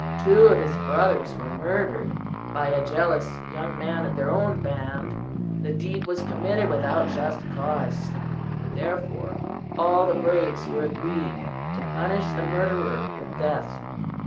"Two of his brothers were murdered by a jealous young man of their own band. The deed was committed without just cause; therefore all the braves were agreed to punish the murderer with death.